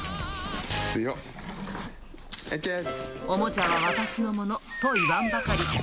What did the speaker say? おもちゃは私のものと言わんばかり。